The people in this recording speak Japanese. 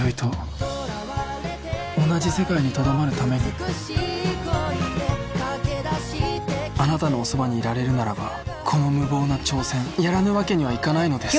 清居と自分はあなたのおそばにいられるならばこの無謀な挑戦やらぬわけにはいかないのです。